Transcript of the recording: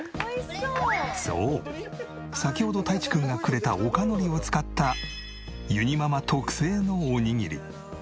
そう先ほどたいちくんがくれた陸海苔を使ったゆにママ特製のおにぎり。